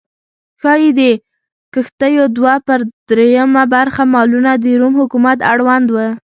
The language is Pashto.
ښايي د کښتیو دوه پر درېیمه برخه مالونه د روم حکومت اړوند و